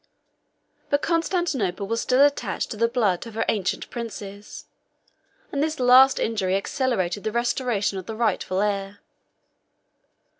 But Constantinople was still attached to the blood of her ancient princes; and this last injury accelerated the restoration of the rightful heir.